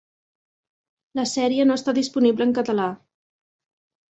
La sèrie no està disponible en català.